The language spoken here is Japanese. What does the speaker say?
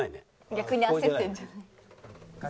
逆に焦ってるんじゃない？